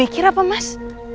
dia gak mikir apa mas